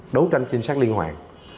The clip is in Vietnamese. đấu tranh trinh sát liên hoàn